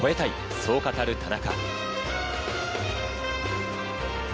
そう語る田中。